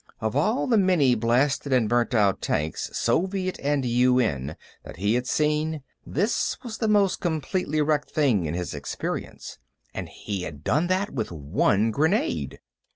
Of all the many blasted and burned out tanks, Soviet and UN, that he had seen, this was the most completely wrecked thing in his experience. And he'd done that with one grenade....